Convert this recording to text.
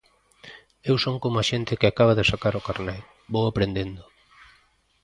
Eu son como a xente que acaba de sacar o carné... vou aprendendo.